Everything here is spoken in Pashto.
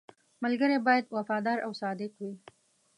• ملګری باید وفادار او صادق وي.